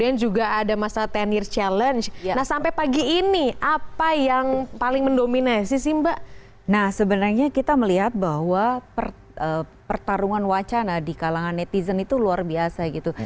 nah sebenarnya kita melihat bahwa pertarungan wacana di kalangan netizen itu luar biasa gitu